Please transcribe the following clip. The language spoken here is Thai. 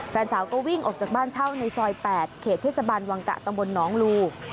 แฟนสาวก็วิ่งออกจากบ้านเช่าในซอย๘เขตเทศบาลวังกะตำบลหนองลู